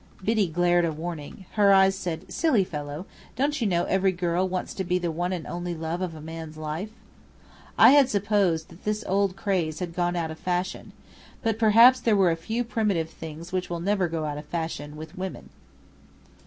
Biddy glared a warning. Her eyes said, "Silly fellow, don't you know every girl wants to be the one and only love of a man's life?" I had supposed that this old craze had gone out of fashion. But perhaps there are a few primitive things which will never go out of fashion with women.